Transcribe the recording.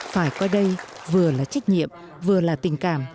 phải coi đây vừa là trách nhiệm vừa là tình cảm